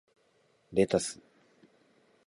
レタス